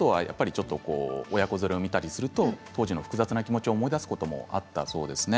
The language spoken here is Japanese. あと親子連れを見たりすると当時の複雑な気持ちを思い出すこともあったそうです。